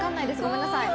ごめんなさい